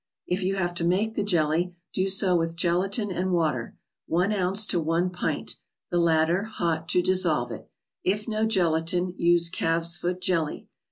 If you have to make the jelly, do so with gelatine and water, one ounce to one pint, the latter hot to dissolve it; if no gelatine, use calf's foot jelly.